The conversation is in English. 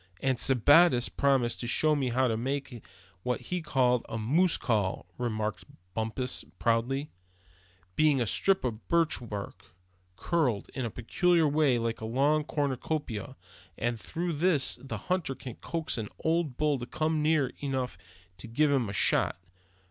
"And Sebattis has promised to show me how he makes what he calls a 'moose call'," remarked Bumpus, proudly; "being a strip of birch bark, curled up in a peculiar way like a long cornucopia; and through this the hunter can coax an old bull to come near enough to give him a shot.